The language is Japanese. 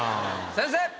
先生！